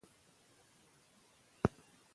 که ښځې ملاتړ ولري، ټولنیز پرمختګ نه درېږي.